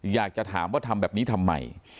อยากจะถามว่าทำแบบนี้ทำไม